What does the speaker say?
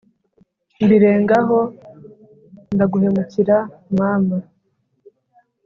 mbirengaho ndaguhemukira mama